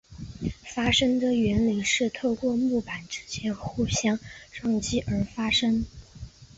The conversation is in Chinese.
发声的原理是透过木板之间互相撞击而发声。